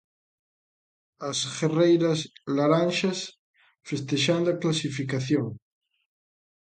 As guerreiras laranxas, festexando a clasificación.